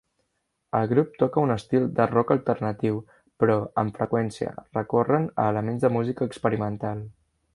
El grup toca un estil de rock alternatiu, però, amb freqüència, recorren a elements de música experimental.